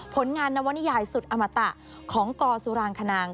ผลงานนวนิยายสุดอมตะของกสุรางคณาง